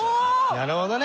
なるほどね。